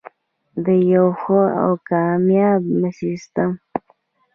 د یو ښه او کامیاب سیستم.